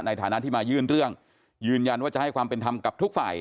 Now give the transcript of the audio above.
ในฐานะที่มายื่นเรื่องยืนยันว่าจะให้ความเป็นธรรมกับทุกฝ่าย